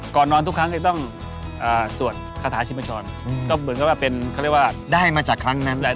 ก่อนนอนทุกครั้งก็ต้องสวดฆาตาชิมะชร